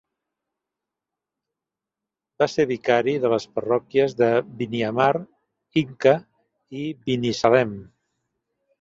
Va ser vicari de les parròquies de Biniamar, Inca i Binissalem.